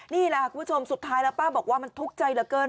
นี่แหละคุณผู้ชมสุดท้ายแล้วป้าบอกว่ามันทุกข์ใจเหลือเกิน